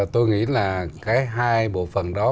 tôi nghĩ là cái hai bộ phần đó